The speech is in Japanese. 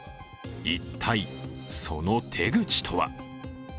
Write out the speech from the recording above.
一体、その手口とは。